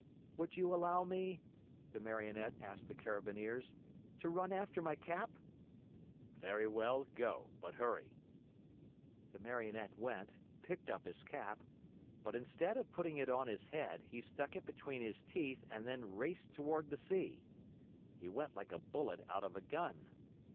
"Would you allow me," the Marionette asked the Carabineers, "to run after my cap?" "Very well, go; but hurry." The Marionette went, picked up his cap but instead of putting it on his head, he stuck it between his teeth and then raced toward the sea. He went like a bullet out of a gun.